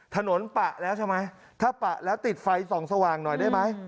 ปะแล้วใช่ไหมถ้าปะแล้วติดไฟส่องสว่างหน่อยได้ไหม